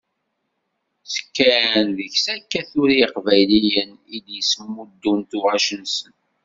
Ttekkan deg-s akka tura yiqbayliyen i d-yettmuddun tuɣac-nsen.